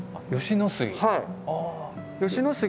吉野杉。